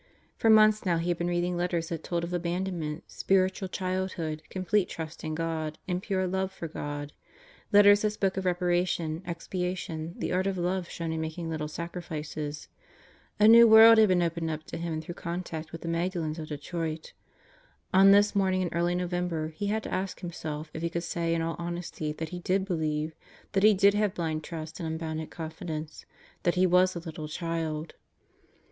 For months now he had been reading letters that told of Abandonment, Spiritual Childhood, Complete Trust in God, and Pure Love for God; letters that spoke of reparation, expiation, the art of love shown in making little sacrifices. A new world had been opened up to him through contact with the Magdalens of Detroit. On this morning in early November he had to ask himself if he could say in all honesty that he did believe; that he did have blind trust and unbounded confidence; that he was a little child.